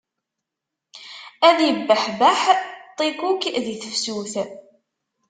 Ad ibbeḥbeḥ ṭikkuk di tefsut.